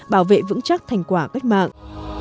bảo vệ vững chắc thành quả cách mạng